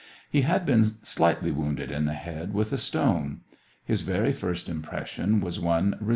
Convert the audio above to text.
He had been slightly wounded in the head with a stone. His very first impression was one re SEVASTOPOL IN MAY.